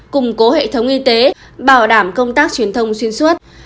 củng cố hệ thống y tế bảo đảm công tác truyền thông xuyên suốt